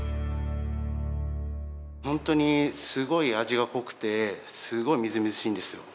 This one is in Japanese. ホントにすごい味が濃くてすごいみずみずしいんですよ。